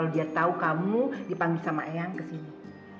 dia tahu kamu dipanggil sama eyang ke sini